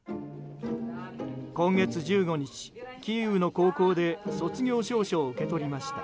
今月１５日、キーウの高校で卒業証書を受け取りました。